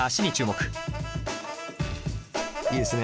いいですね。